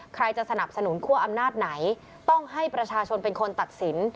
ใครจะสนับสนุนคั่วอำนาจไหนต้องให้ประชาชนเป็นคนตัดสิน